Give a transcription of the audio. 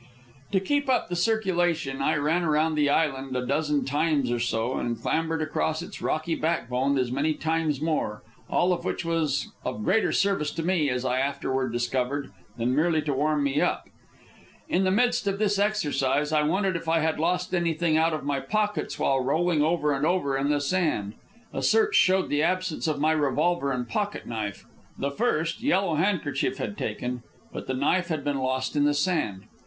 To keep up the circulation, I ran around the island a dozen times or so, and clambered across its rocky backbone as many times more all of which was of greater service to me, as I afterward discovered, than merely to warm me up. In the midst of this exercise I wondered if I had lost anything out of my pockets while rolling over and over in the sand. A search showed the absence of my revolver and pocket knife. The first Yellow Handkerchief had taken; but the knife had been lost in the sand.